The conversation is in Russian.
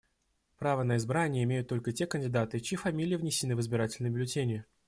Право на избрание имеют только те кандидаты, чьи фамилии внесены в избирательные бюллетени.